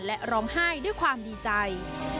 และร้องไห้ด้วยความดีใจ